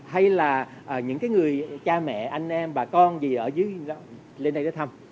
hay là những cái người cha mẹ anh em bà con gì ở dưới lên đây để thăm